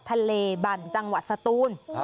ทะเลบั่นจังหวัดสตูน